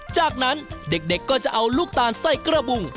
จากนั้นเด็กก็จะเอาลูกตาลใส่กระบุง